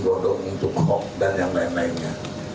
bodoh untuk hoax dan yang lain lainnya